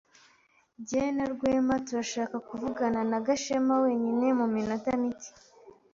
Jye na Rwema turashaka kuvugana na Gashema wenyine mu minota mike.